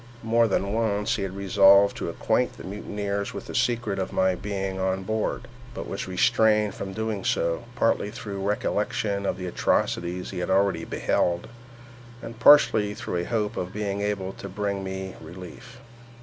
More than once he had resolved to acquaint the mutineers with the secret of my being on board, but was restrained from so doing, partly through recollection of the atrocities he had already beheld, and partly through a hope of being able soon to bring me relief.